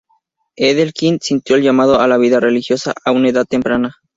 Edel Quinn sintió el llamado a la vida religiosa a una edad temprana.